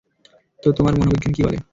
তো তোমার মনোবিজ্ঞান কি বলে?